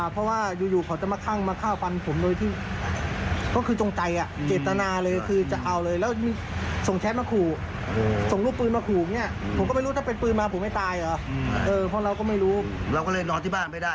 พวกเราก็ไม่รู้ไม่ได้ครับเราก็เลยนอนที่บ้านไม่ได้